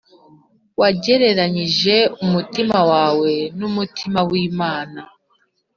Wagereranije umutima wawe n’ umutima w’ Imana